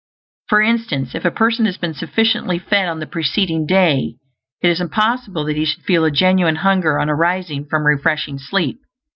For instance, if a person has been sufficiently fed on the preceding day, it is impossible that he should feel a genuine hunger on arising from refreshing sleep.